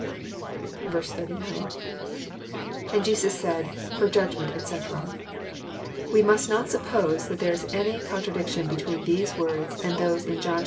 89. — lAnd Jesus said^ For judgment^ etc] We must not suppose that there is any contradiction between these words and those in John iii.